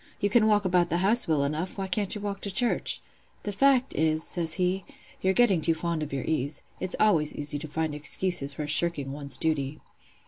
You can walk about the house well enough; why can't you walk to church? The fact is,' says he, 'you're getting too fond of your ease. It's always easy to find excuses for shirking one's duty.